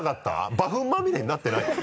馬ふんまみれになってない？